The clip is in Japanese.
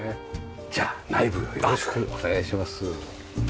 じゃあ内部よろしくお願いします。